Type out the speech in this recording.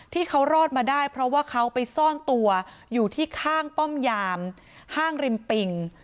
ที่เขารอดมาได้เพราะว่าเขาไปซ่อนตัวอยู่ที่ข้างป้อมยามห้างริมปิง